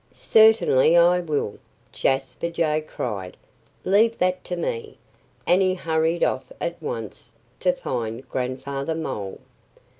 "Certainly I will!" Jasper Jay cried. "Leave that to me!" And he hurried off at once to find Grandfather Mole.